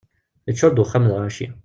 Yeččur-d uxxam d lɣaci.